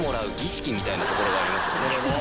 みたいなところがありますよね。